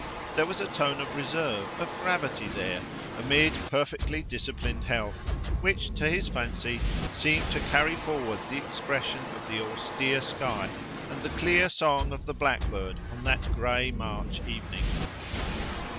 There was a tone of reserve or gravity there, amid perfectly disciplined health, which, to his fancy, seemed to carry forward the expression of the austere sky and the clear song of the blackbird on that gray March evening.